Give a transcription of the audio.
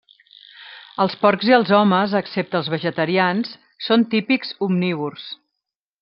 Els porcs i els homes, excepte els vegetarians, són típics omnívors.